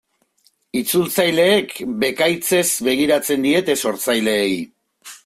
Itzultzaileek bekaitzez begiratzen diete sortzaileei.